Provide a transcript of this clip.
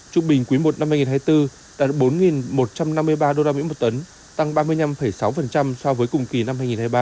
trúc bình quý một năm hai nghìn hai mươi bốn đạt bốn một trăm năm mươi ba đô la mỹ một tấn tăng ba mươi năm sáu so với cùng kỳ năm hai nghìn hai mươi ba